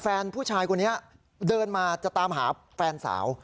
แฟนผู้ชายคนนี้เดินมาจะตามหาแฟนสาว